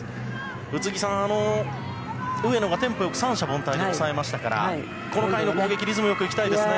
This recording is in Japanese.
宇津木さん、上野がテンポ良く三者凡退に抑えましたからこの回の攻撃リズム良くいきたいですね。